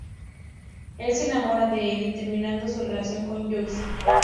Él se enamora de Edie, terminando su relación con Joyce.